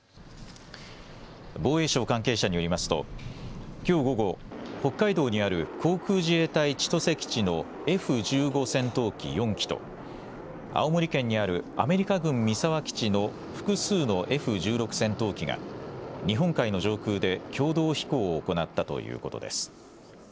防衛省関係者によりますときょう午後、北海道にある航空自衛隊千歳基地のＦ１５戦闘機４機と青森県にあるアメリカ軍三沢基地の複数のＦ１６戦闘機が日本海の上空で共同飛行を行ったということです。